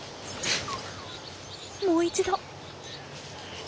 もう一度。